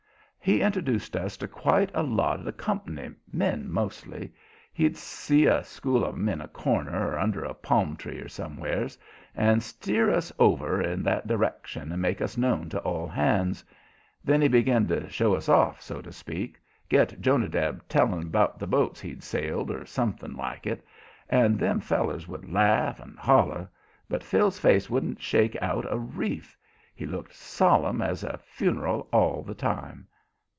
He introduced us to quite a lot of the comp'ny men mostly. He'd see a school of 'em in a corner, or under a palm tree or somewheres, and steer us over in that direction and make us known to all hands. Then he begin to show us off, so to speak, get Jonadab telling 'bout the boats he'd sailed, or something like it and them fellers would laugh and holler, but Phil's face wouldn't shake out a reef: he looked solemn as a fun'ral all the time.